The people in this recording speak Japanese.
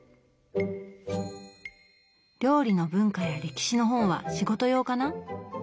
料理の文化や歴史の本は仕事用かな。